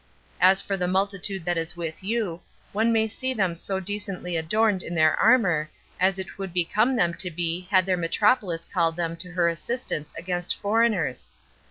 As for the multitude that is with you, one may see them so decently adorned in their armor, as it would become them to be had their metropolis called them to her assistance against foreigners.